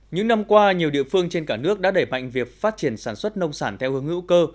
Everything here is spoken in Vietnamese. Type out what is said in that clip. những năm qua nhiều địa phương trên cả nước đã đẩy mạnh việc phát triển sản xuất nông sản theo hướng hữu cơ